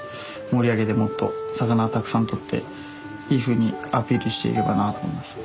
盛り上げてもっと魚たくさん取っていいふうにアピールしていけばなと思います。